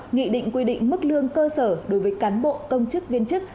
nghị định quy định mức lương cơ sở đối với cán bộ công chức viên chức